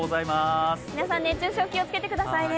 皆さん、熱中症気をつけてくださいね。